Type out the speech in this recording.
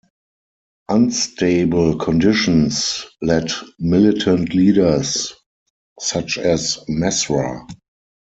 Unstable conditions led militant leaders such as Messra.